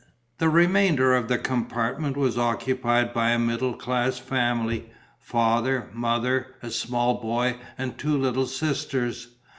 The remainder of the compartment was occupied by a middle class family: father, mother, a small boy and two little sisters.